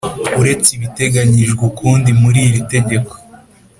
Uretse ibiteganyijwe ukundi muri iri tegeko